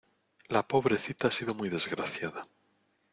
La pobrecita ha sido muy desgraciada.